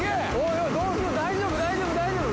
大丈夫大丈夫大丈夫？